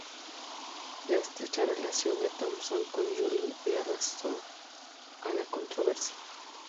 La estrecha relación de Thomson con Joule le arrastró a la controversia.